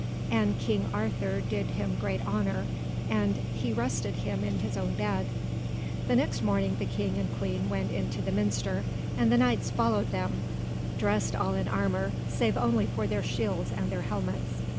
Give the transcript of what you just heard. And King Arthur did him great honour, and he rested him in his own bed. And next morning the King and Queen went into the Minster, and the Knights followed them, dressed all in armour, save only their shields and their helmets.